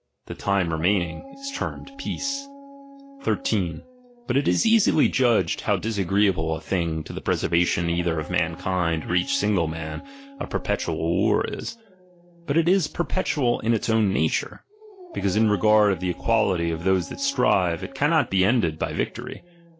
The time remaining is termed peace. J That bj (bs righlofniiCiii it is iHwM ft 1 3. But it is easily judged how disagreeable a thing to the preservation either of mankind, or of ' each single man, a perpetual war is. But it is per petual in its own nature ; because in regard of the equality of those that strive, it cannot be ended by victory.